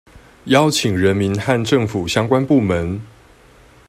邀請人民和政府相關部門